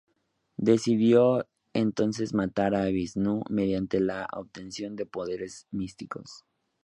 Decidió entonces matar a Visnú mediante la obtención de poderes místicos.